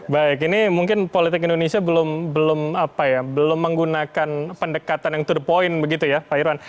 baik ini mungkin politik indonesia belum menggunakan pendekatan yang to the point begitu ya pak irwan